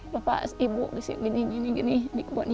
bapak ibu disini gini gini gini